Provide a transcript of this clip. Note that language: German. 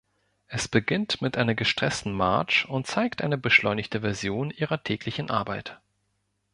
Es beginnt mit einer gestressten Marge und zeigt eine beschleunigte Version ihrer täglichen Arbeit.